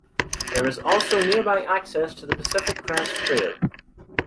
There is also nearby access to the Pacific Crest Trail.